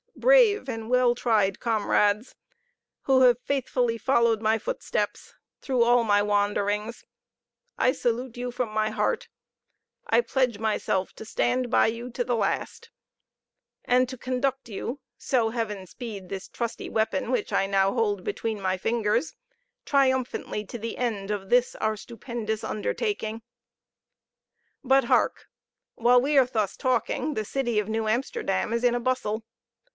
brave and well tried comrades! who have faithfully followed my footsteps through all my wanderings I salute you from my heart I pledge myself to stand by you to the last; and to conduct you (so Heaven speed this trusty weapon which I now hold between my fingers) triumphantly to the end of this our stupendous undertaking. But, hark! while we are thus talking, the city of New Amsterdam is in a bustle.